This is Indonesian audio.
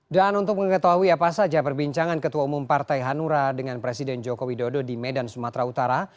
dan untuk mengetahui apa saja perbincangan ketua umum partai hanura dengan presiden joko widodo di medan sumatera utara